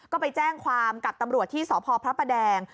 ก็ไปแจ้งความกับตำรวจที่สพพระประแดง